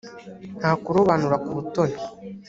nta kurobanura ku butoni